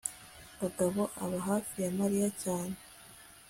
kagabo aba hafi ya mariya cyane